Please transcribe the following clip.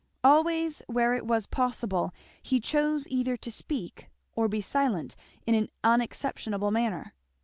Always where it was possible he chose either to speak or be silent in an unexceptionable manner.